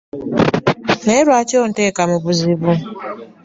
Naye lwaki onteeka mu buzibu?